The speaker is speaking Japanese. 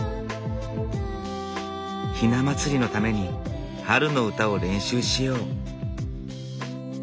ひな祭りのために春の歌を練習しよう。